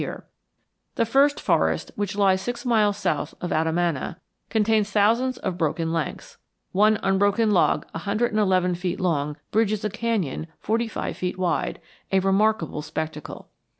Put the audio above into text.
The stone piers were built to preserve it] The First Forest, which lies six miles south of Adamana, contains thousands of broken lengths. One unbroken log a hundred and eleven feet long bridges a canyon forty five feet wide, a remarkable spectacle.